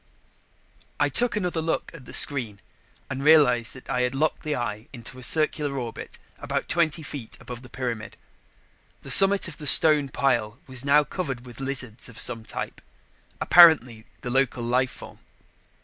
I took another look at the screen and realized that I had locked the eye into a circular orbit about twenty feet above the pyramid. The summit of the stone pile was now covered with lizards of some type, apparently the local life form.